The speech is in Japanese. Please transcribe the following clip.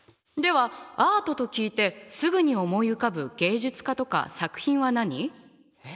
ではアートと聞いてすぐに思い浮かぶ芸術家とか作品は何？